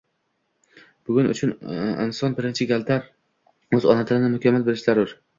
Buning uchun inson birinchi galda o‘z ona tilini mukammal bilishi zarur.